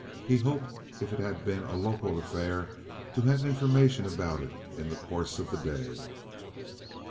He hoped, if it had been a local affair, to have information about it in the course of the day.